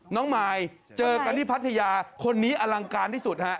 มายเจอกันที่พัทยาคนนี้อลังการที่สุดฮะ